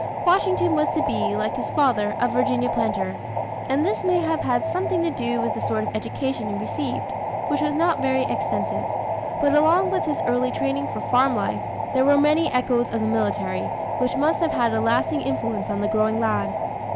Washington was to be, like his father, a Virginia planter; and this may have had something to do with the sort of education he received, which was not very extensive. But along with his early training for farm life there were many echoes of the military, which must have had a lasting influence on the growing lad.